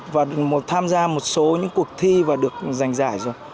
và tham gia một số những cuộc thi và được giành giải rồi